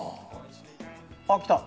あっ来た。